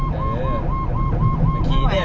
ผู้ชีพเราบอกให้สุจรรย์ว่า๒